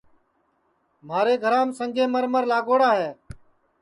مھارے گھرام سنگے مرمر لاگوڑا ہے